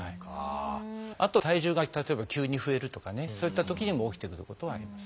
あと体重が例えば急に増えるとかねそういったときにも起きてくることはあります。